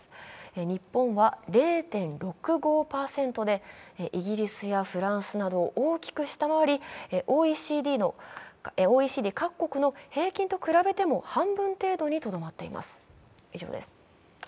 日本は０．６５％で、イギリスやフランスなどを大きく下回り、ＯＥＣＤ各国の平均と比べても半分程度にとどまっています。